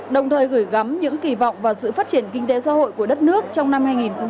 đồng thời gửi gắm những kỳ vọng vào sự phát triển kinh tế xã hội của đất nước trong năm hai nghìn hai mươi